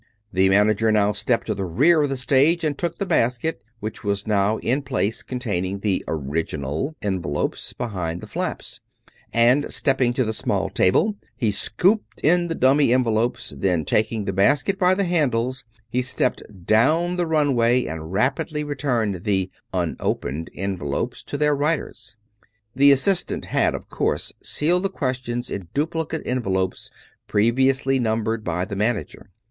The manager now stepped to the rear of the stage and took the basket, which was now in place containing the original (?) envelopes behind the flaps; and stepping to the small table he scooped in the dummy envelopes ; then taking the basket by the handles, he stepped down the run way and rapidly returned the unopened (?) envelopes to their writers. The assistant had, of course, sealed the questions in duplicate envelopes previously numbered by the manager.